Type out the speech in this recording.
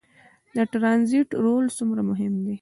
د ټرانزیټ رول څومره مهم دی؟